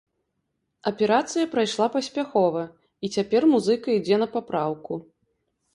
Аперацыя прайшла паспяхова і цяпер музыка ідзе на папраўку.